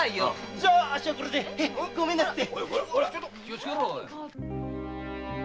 じゃあっしはこれでごめんなすって。